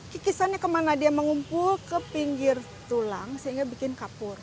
kikisannya kemana dia mengumpul ke pinggir tulang sehingga bikin kapur